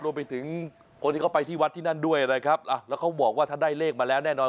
รวมไปถึงคนที่เขาไปที่วัดที่นั่นด้วยนะครับแล้วเขาบอกว่าถ้าได้เลขมาแล้วแน่นอน